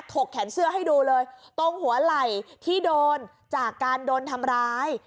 กแขนเสื้อให้ดูเลยตรงหัวไหล่ที่โดนจากการโดนทำร้าย